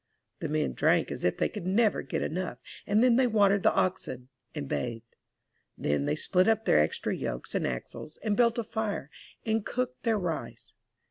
The men drank as if they could never get enough, and then they watered the oxen, and bathed. Then they split up their extra yokes and axles and built a fire, and cooked their rice.